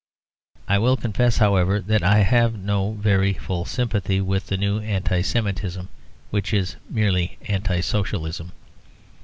I will confess, however, that I have no very full sympathy with the new Anti Semitism which is merely Anti Socialism.